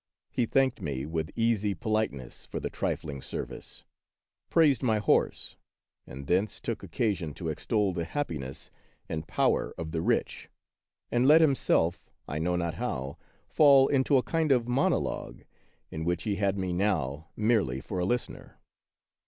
He thanked me with easy politeness for the trifling service, praised my horse, and thence took occasion to extol the happiness and power of the rich, and let himself, I know not how, fall into a kind of monologue, in which he had me now merely for a listener.